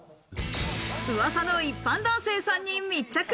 噂の一般男性さんに密着。